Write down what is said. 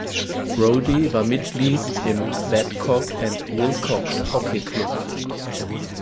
Brodie war Mitglied im "Babcock and Wilcox Hockey Club".